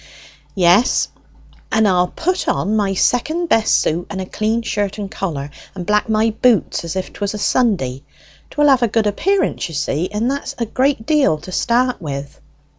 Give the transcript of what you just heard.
"Yes, and I'll put on my second best suit and a clean shirt and collar, and black my boots as if 'twas a Sunday. 'Twill have a good appearance, you see, and that's a great deal to start with."